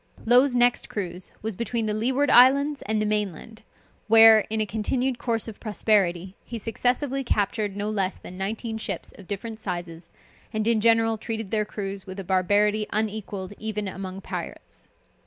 Low's next cruise was between the Leeward Islands and the main land, where, in a continued course of prosperity, he successively captured no less than nineteen ships of different sizes, and in general treated their crews with a barbarity unequalled even among pirates.